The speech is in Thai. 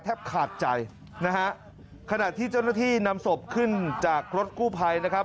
ขาดใจนะฮะขณะที่เจ้าหน้าที่นำศพขึ้นจากรถกู้ภัยนะครับ